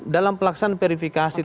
dalam pelaksanaan verifikasi